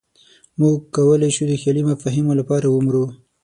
موږ کولی شو د خیالي مفاهیمو لپاره ومرو.